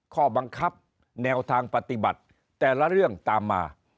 ข้อบังคับแนวทางปฏิบัติแต่ละเรื่องตามมา